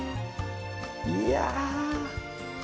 いや！